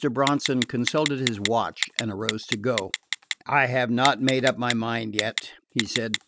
Bronson consulted his watch and arose to go. "I have not made up my mind yet," he said.